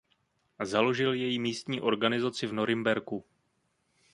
Založil její místní organizaci v Norimberku.